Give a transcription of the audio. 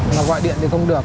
mà gọi điện thì không được